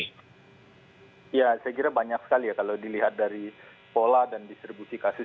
ya saya kira banyak sekali ya kalau dilihat dari pola dan distribusi kasus